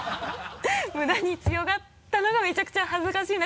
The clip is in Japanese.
ムダに強がったのがめちゃくちゃ恥ずかしいなって。